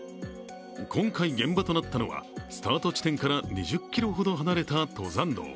今回現場となったのはスタート地点から２０ｋｍほど離れた登山道。